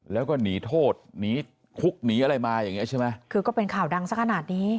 แล้วก็หนีโทษหนีคุกหนีอะไรมาอย่างเงี้ใช่ไหมคือก็เป็นข่าวดังสักขนาดนี้